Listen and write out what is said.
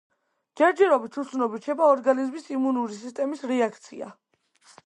ჯერჯერობით უცნობი რჩება ორგანიზმის იმუნური სისტემის რეაქცია.